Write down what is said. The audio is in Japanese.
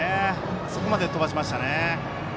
あそこまで飛ばしましたね。